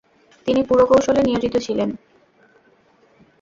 তিনি পুরকৌশলে নিয়োজিত ছিলেন।